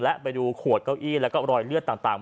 และไปดูขวดเก้าอี้แล้วก็รอยเลือดต่าง